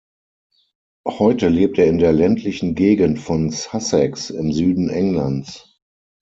Heute lebt er in der ländlichen Gegend von Sussex im Süden Englands.